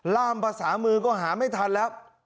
ล่ามภาษามือก็หาไม่ทันแล้ว